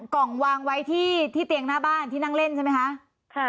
กล่องวางไว้ที่เตียงหน้าบ้านที่นั่งเล่นใช่ไหมคะ